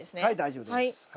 はい大丈夫です。